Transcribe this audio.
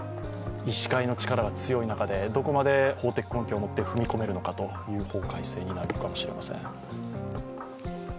医師会の力が強い中でどこまで法的根拠を持って踏み込めるのかという法改正になるのかもしれません。